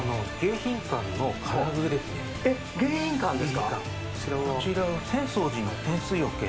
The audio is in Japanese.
えっ、迎賓館ですか！